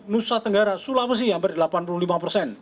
nusa tenggara sulawesi hampir